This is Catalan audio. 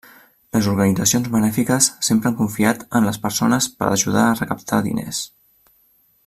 Les organitzacions benèfiques sempre han confiat en les persones per ajudar a recaptar diners.